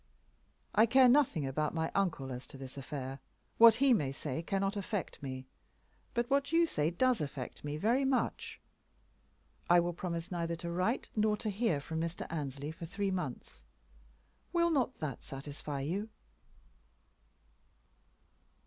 I care nothing about my uncle as to this affair. What he may say cannot affect me, but what you say does affect me very much. I will promise neither to write nor to hear from Mr. Annesley for three months. Will not that satisfy you?"